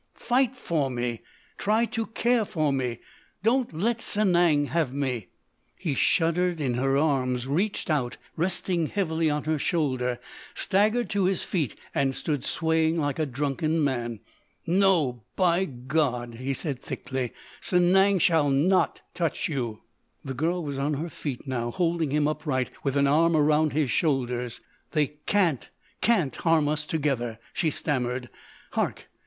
"Fight for me! Try to care for me! Don't let Sanang have me!" He shuddered in her arms, reached out and resting heavily on her shoulder, staggered to his feet and stood swaying like a drunken man. "No, by God," he said thickly, "Sanang shall not touch you." The girl was on her feet now, holding him upright with an arm around his shoulders. "They can't—can't harm us together," she stammered. "Hark!